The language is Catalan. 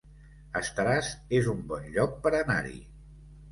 Estaràs es un bon lloc per anar-hi